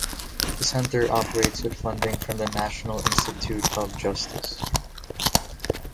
The center operates with funding from the National Institute of Justice.